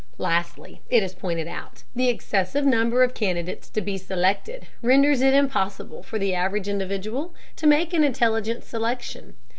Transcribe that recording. Lastly, it is pointed out, the excessive number of candidates to be selected renders it impossible for the average individual to make an intelligent selection.